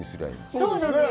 そうですよ。